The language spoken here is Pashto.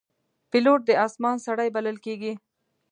پیلوټ د آسمان سړی بلل کېږي.